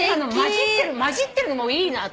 交じってるのもいいなと。